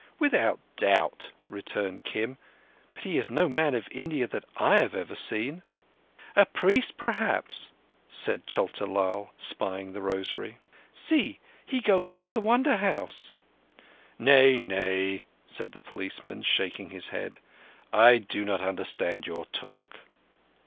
"Without doubt," returned Kim; "but he is no man of India that I have ever seen." "A priest, perhaps," said Chota Lal, spying the rosary. "See! He goes into the Wonder House!" "Nay, nay," said the policeman, shaking his head. "I do not understand your talk."